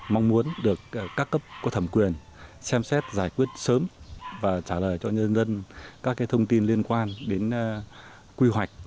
mong muốn được các cấp có thẩm quyền xem xét giải quyết sớm và trả lời cho nhân dân các thông tin liên quan đến quy hoạch